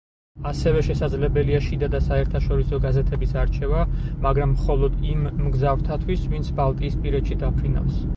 ასევე შესაძლებელია შიდა და საერთაშორისო გაზეთების არჩევა, მაგრამ მხოლოდ იმ მგზავრთათვის, ვინც ბალტიისპირეთში დაფრინავს.